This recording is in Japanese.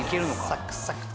サクサクと。